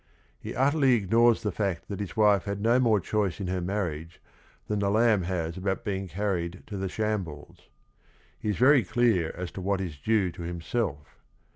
He utterly ignores the fact that his wife had no more choice in her marriage than a lamb has about being carried to the shambles. He is very clear as to what is due to himself.